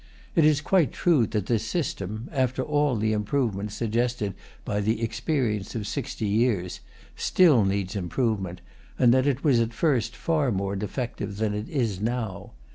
It is quite true that this system, after all the improvements suggested by the experience of sixty years, still needs improvement, and that it was at first far more defective than it now is.